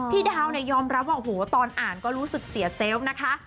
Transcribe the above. พี่ดาวยอมรับว่าตอนอ่านก็รู้สึกเสียเซลล์นะคะ